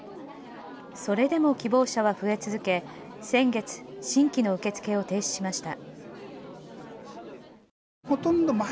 それでも希望者は増え続け先月、新規の受け付けを停止しました。